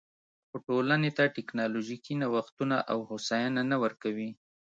خو ټولنې ته ټکنالوژیکي نوښتونه او هوساینه نه ورکوي